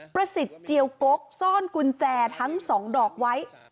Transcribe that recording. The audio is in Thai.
ประสิทธิ์เจียวกกซ่อนกุญแจทั้ง๒ดอกไว้